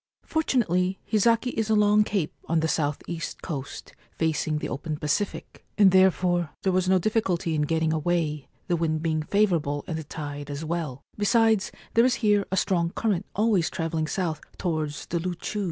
Fortunately, Hizaki is a long cape on the S.E. coast, facing the open Pacific, and therefore there was no difficulty in getting away, the wind being favourable and the tide as well ; besides, there is here a strong current always travelling south towards the Loochoos.